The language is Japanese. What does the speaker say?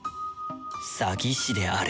詐欺師である